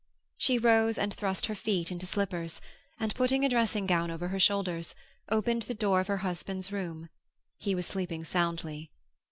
She rose and thrust her feet into slippers and, putting a dressing gown over her shoulders, opened the door of her husband's room; he was sleeping soundly.